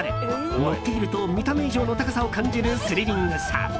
乗っていると、見た目以上の高さを感じるスリリングさ。